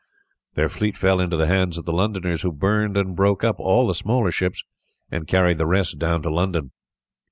Their fleet fell into the hands of the Londoners, who burned and broke up all the smaller ships and carried the rest down to London.